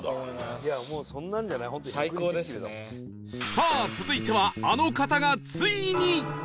さあ続いてはあの方がついに！